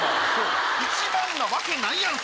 一番なわけないやん！